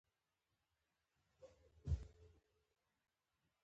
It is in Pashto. ستا په لیدو ډېر خوشاله شوم.